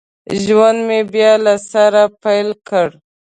ژوند مې بیا له سره پیل کړ